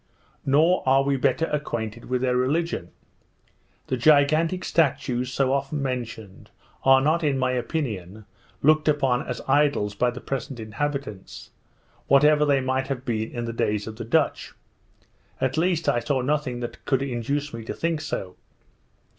Nor are we better acquainted with their religion. The gigantic statues, so often mentioned, are not, in my opinion, looked upon as idols by the present inhabitants, whatever they might have been in the days of the Dutch; at least I saw nothing that could induce me to think so.